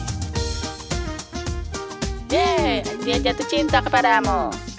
yeh dia jatuh cinta kepadamu